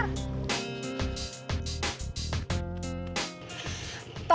kasih tau saya siapa yang diantar